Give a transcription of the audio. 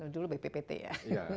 dulu bppt ya